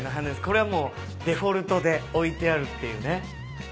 これはもうデフォルトで置いてあるっていうね。